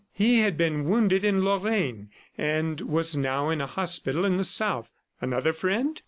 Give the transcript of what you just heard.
... He had been wounded in Lorraine and was now in a hospital in the South. Another friend?